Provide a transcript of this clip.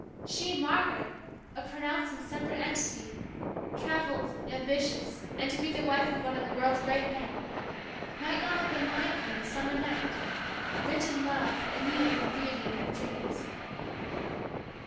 she, Margaret, a pronounced and separate entity, travelled, ambitious, and to be the wife of one of the world's great men, might not have been lying here in the summer night, rich in love and youth and beauty and her dreams!